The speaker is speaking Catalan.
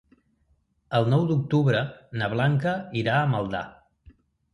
El nou d'octubre na Blanca irà a Maldà.